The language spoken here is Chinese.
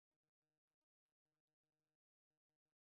唐人墓是位于日本冲绳县石垣市观音崎的华人墓地。